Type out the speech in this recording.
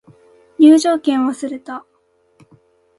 入場券忘れた